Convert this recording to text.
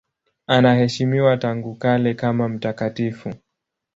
Anaheshimiwa tangu kale kama mtakatifu.